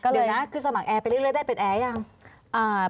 เดี๋ยวนะคือสมัครแอร์ไปเรื่อยได้เป็นแอร์ยัง